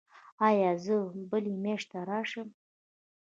ایا زه بلې میاشتې راشم؟